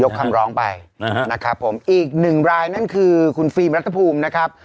คำร้องไปนะครับผมอีกหนึ่งรายนั่นคือคุณฟิล์มรัฐภูมินะครับ